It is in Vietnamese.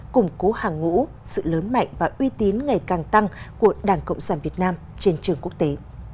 củng cố hàng ngũ sự lớn mạnh và uy tín ngày càng tăng của đảng cộng sản việt nam trên trường quốc tế